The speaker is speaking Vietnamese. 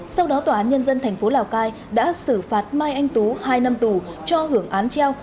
sau đó tòa án nhân dân thành phố lào cai đã xử phạt mai anh tú hai năm tù cho hưởng án treo